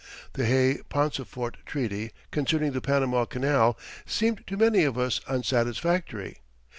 The Hay Pauncefote Treaty concerning the Panama Canal seemed to many of us unsatisfactory.